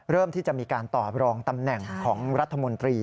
ที่จะมีการตอบรองตำแหน่งของรัฐมนตรี